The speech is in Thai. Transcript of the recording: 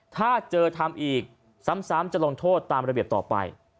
ถ้าเจอทำอีกซ้ำจะลงโทษตามระเบียบต่อไป